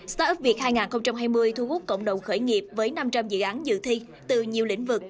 start up việt hai nghìn hai mươi thu hút cộng đồng khởi nghiệp với năm trăm linh dự án dự thi từ nhiều lĩnh vực